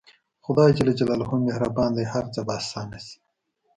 خداى مهربان دى هر څه به اسانه سي.